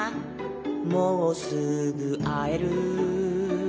「もうすぐあえる」